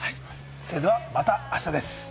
それではまたあしたです。